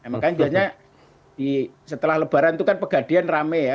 makanya biasanya setelah lebaran itu kan pegadian rame ya